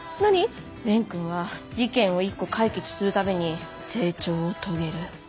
蓮くんは事件を１個解決する度に成長を遂げる。